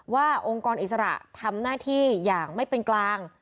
องค์กรอิสระทำหน้าที่อย่างไม่เป็นกลาง